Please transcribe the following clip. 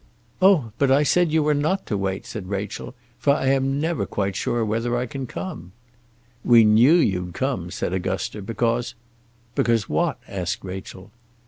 "Oh, but I said you were not to wait," said Rachel, "for I never am quite sure whether I can come." "We knew you'd come," said Augusta, "because " "Because what?" asked Rachel.